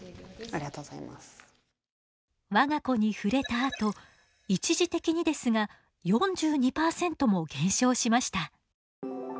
我が子に触れたあと一時的にですが４２％も減少しました。